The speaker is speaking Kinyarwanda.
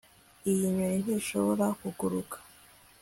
iyi nyoni ntishobora kuguruka